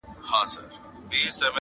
ستا د کتاب تر اشو ډېر دي زما خالونه!!